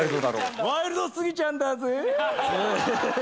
「ワイルドスギちゃんだぜぇ」